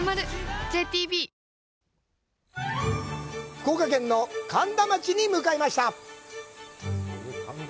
福岡県の苅田町に向かいました。